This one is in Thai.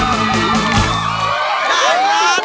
ล้อมได้ให้ร้าน